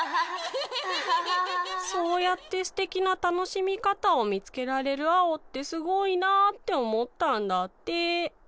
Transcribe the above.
そうやってすてきなたのしみかたをみつけられるアオってすごいなっておもったんだって。